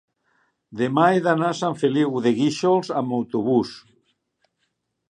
demà he d'anar a Sant Feliu de Guíxols amb autobús.